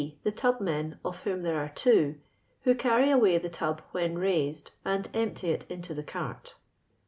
The tubmen (of whom there are two) , who carry away the tub when raised, and empty it into the cart.